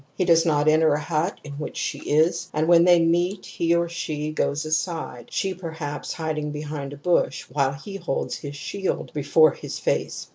He does not enter a hut in which she is, and when they meet he or she goes aside, she perhaps hiding behind a bush while he holds his shield before his face.